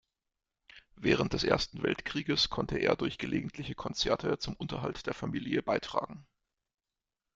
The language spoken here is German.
Während des Ersten Weltkrieges konnte er durch gelegentliche Konzerte zum Unterhalt der Familie beitragen.